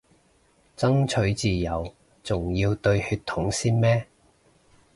爭取自由仲要對血統先咩